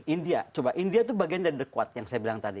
india coba india itu bagian dari the quad yang saya bilang tadi